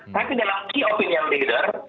tapi dalam key opinion leader